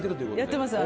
やってます。